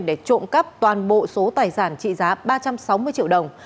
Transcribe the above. để trộm cắp toàn bộ số tài sản trị giá ba trăm sáu mươi triệu đồng